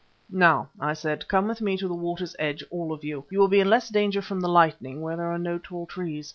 "Now," I said, "come with me to the water's edge, all of you. You will be in less danger from the lightning there, where are no tall trees.